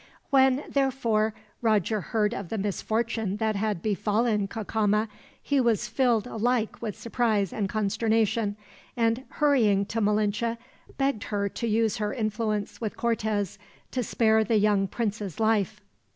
When therefore Roger heard of the misfortune that had befallen Cacama, he was filled alike with surprise and consternation, and hurrying to Malinche, begged her to use her influence with Cortez to spare the young prince's life.